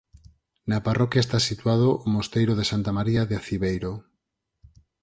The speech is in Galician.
Na parroquia está situado o Mosteiro de Santa María de Aciveiro.